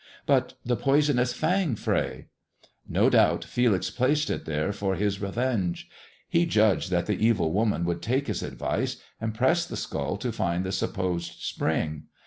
" But the poisonous fang. Fray 1 " "No doubt Felix placed it there for his revenge. He judged that the evil woman would take his advice and press the skull to find the supposed spring.